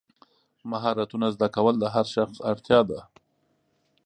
مهارتونه زده کول د هر شخص اړتیا ده.